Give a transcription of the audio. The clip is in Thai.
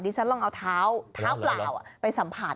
ดิฉันลองเอาเท้าเกลาให้ไปสัมผัส